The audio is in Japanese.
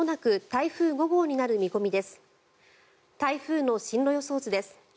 台風の進路予想図です。